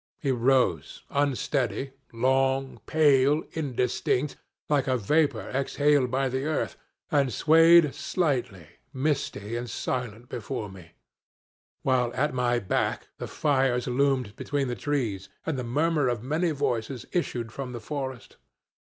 He rose, unsteady, long, pale, indistinct, like a vapor exhaled by the earth, and swayed slightly, misty and silent before me; while at my back the fires loomed between the trees, and the murmur of many voices issued from the forest.